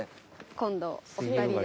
今度お二人で。